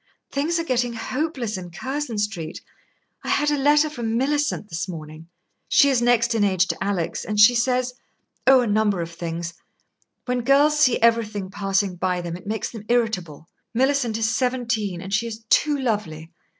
"Things are getting hopeless in Curzon Street. I had a letter from Millicent this morning. She is next in age to Alix, and she says oh, a number of things. When girls see everything passing by them, it makes them irritable. Millicent is seventeen, and she is too lovely.